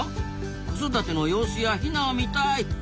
「子育ての様子やヒナを見たい」などなど。